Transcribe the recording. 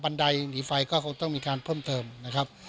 ไดหนีไฟก็คงต้องมีการเพิ่มเติมนะครับ